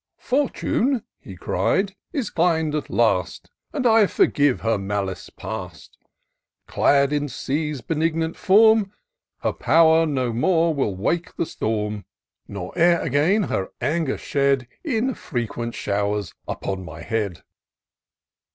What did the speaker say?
" Fortune," he cried, " is kind at last. And I forgive her malice past ; Clad inC's benignant form. Her power no more will wake the storm. Nor e'er again her anger shed In frequent showers upon my head